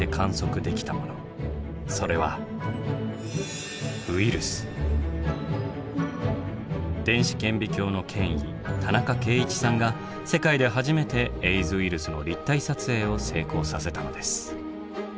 それは電子顕微鏡の権威田中敬一さんが世界ではじめてエイズウイルスの立体撮影を成功させたのです。